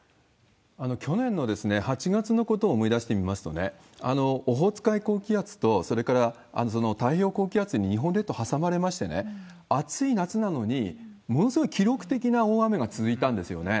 去年の８月のことを思い出してみますとね、オホーツク海高気圧と、それから太平洋高気圧に日本列島挟まれましてね、暑い夏なのに、ものすごい記録的な大雨が続いたんですよね。